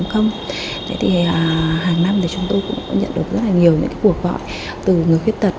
hàng năm chúng tôi cũng nhận được rất nhiều cuộc gọi từ người khuyết tật